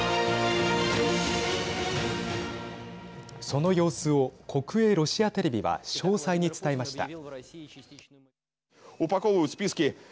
その様子を国営ロシアテレビは詳細に伝えました。